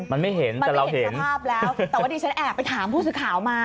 มันไม่เห็นสภาพแล้วแต่วันนี้ฉันแอบไปถามผู้สื่อข่าวมา